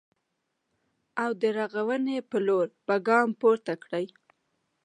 او د رغونې په لور به ګام پورته کړي